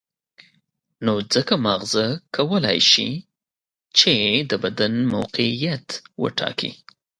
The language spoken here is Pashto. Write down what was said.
نو ځکه ماغزه کولای شي چې د بدن موقعیت وټاکي.